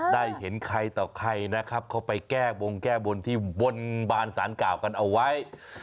ได้เห็นใครต่อใครนะครับเขาไปแก้บงแก้บนที่บนบานสารกล่าวกันเอาไว้